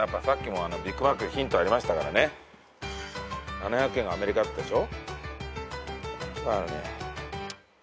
７００円がアメリカだったでしょ？